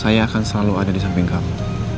saya akan selalu ada di samping kamu